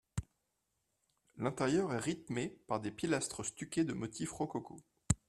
L’intérieur est rythmé par des pilastres stuqués de motifs Rococo.